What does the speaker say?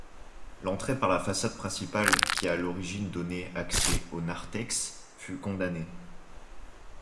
L'entrée par la façade principale, qui à l'origine donnait accès au narthex, fut condamnée.